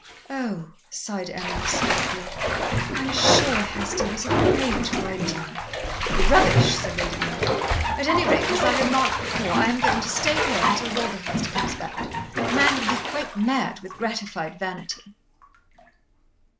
"Oh," sighed Emily, sorrowfully. "I'm sure Hester was afraid to write to me." "Rubbish!" said Lady Maria. "At any rate, as I remarked before, I am going to stay here until Walderhurst comes back. The man will be quite mad with gratified vanity."